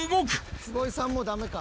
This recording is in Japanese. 坪井さんも駄目か。